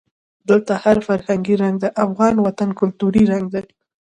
دلته هر فرهنګي رنګ د افغان وطن کلتوري رنګ دی.